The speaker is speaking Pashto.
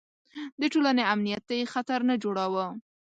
د ټولنې امنیت ته یې خطر نه جوړاوه.